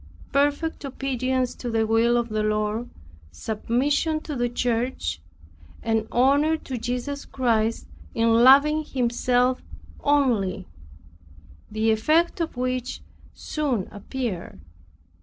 Perfect obedience to the will of the Lord, submission to the church, and honor to Jesus Christ in loving Himself only; the effect of which soon appeared.